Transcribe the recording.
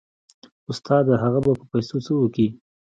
استاده هغه به په پيسو څه وكي.